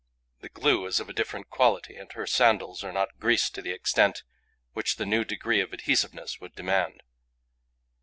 The glue is of a different quality; and her sandals are not greased to the extent which the new degree of adhesiveness would demand.